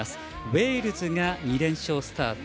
ウェールズが２連勝スタート。